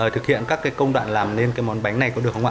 thực hiện các công đoạn làm nên cái món bánh này có được không ạ